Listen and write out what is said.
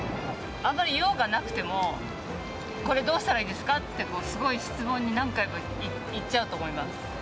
あんまり用がなくても、これどうしたらいいですかって、すごい質問に何回も行っちゃうと思います。